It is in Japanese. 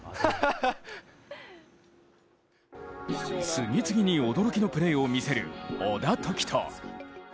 次々に驚きのプレーを見せる小田凱人。